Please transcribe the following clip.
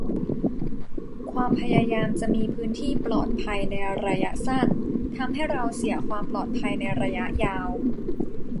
ความพยายามจะมีพื้นที่ "ปลอดภัย" ในระยะสั้น ทำให้เราเสียความปลอดภัยในระยะยาว